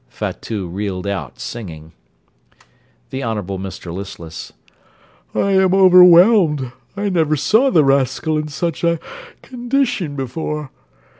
(Fatout reeled out, singing.) THE HONOURABLE MR LISTLESS I am overwhelmed: I never saw the rascal in such a condition before.